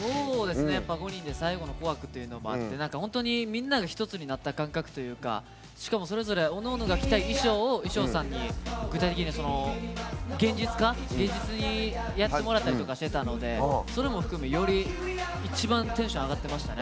５人で最後の「紅白」というのもあって本当に皆さんが一つになった感覚というかしかも、それぞれおのおのが着たい衣装を衣装さんに、具体的には現実にやってもらったりとかしてのたでそれも含め、より一番テンション上がってましたね。